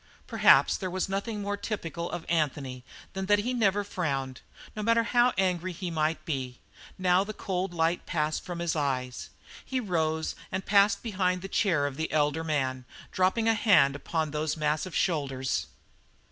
Perhaps there was nothing more typical of Anthony than that he never frowned, no matter how angered he might be. Now the cold light passed from his eyes. He rose and passed behind the chair of the elder man, dropping a hand upon those massive shoulders.